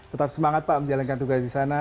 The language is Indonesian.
tetap semangat pak menjalankan tugas disana